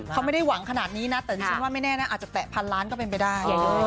เขาไม่ได้หวังขนาดนี้นะแต่ดิฉันว่าไม่แน่นะอาจจะแตะพันล้านก็เป็นไปได้